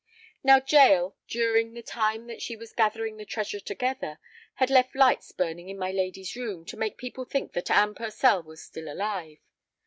Now Jael, during the time that she was gathering the treasure together, had left lights burning in my lady's room to make people think that Anne Purcell was still alive.